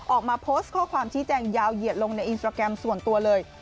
ออกมาโพสต์ข้อความชี้แจงยาวเหยียดลงในอินสตราแกรมส่วนตัวเลย